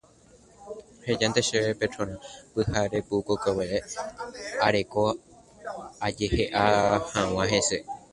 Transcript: ehejánte chéve Petrona pyharepukukue areko ajehe'a hag̃ua hese.